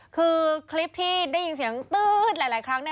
คือคลิปที่ได้ยินเสียงตื๊ดหลายครั้ง